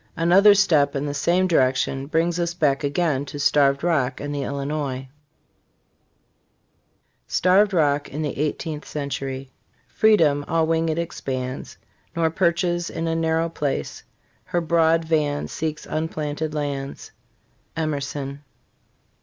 Another step in the same direction brings us back again to Starved Rock and the Illinois. :" The Old Northwest," STARVED ROCK IN THE EIGHTEENTH CENTURY. Freedom all winged expands, Nor perches in a narrow place; Her broad van seeks unplanted lands. Emerson.